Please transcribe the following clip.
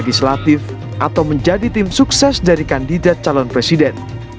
legislatif atau menjadi tim sukses dari kandidat calon presiden